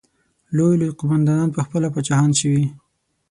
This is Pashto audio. لوی لوی قوماندانان پخپله پاچاهان شوي.